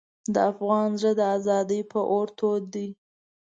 د افغان زړه د ازادۍ په اور تود دی.